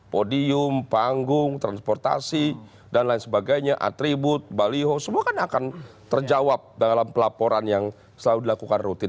podium panggung transportasi dan lain sebagainya atribut baliho semua kan akan terjawab dalam pelaporan yang selalu dilakukan rutin